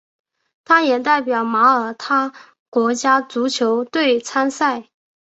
他也代表马耳他国家足球队参赛。